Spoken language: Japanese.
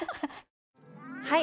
はい。